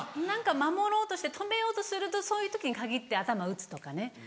何か守ろうとして止めようとするとそういう時に限って頭打つとかね。